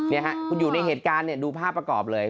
นี่ฮะคุณอยู่ในเหตุการณ์เนี่ยดูภาพประกอบเลย